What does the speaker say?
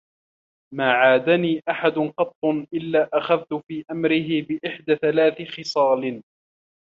مَا عَادَانِي أَحَدٌ قَطُّ إلَّا أَخَذْت فِي أَمْرِهِ بِإِحْدَى ثَلَاثِ خِصَالٍ